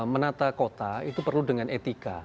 menata kota itu perlu dengan etika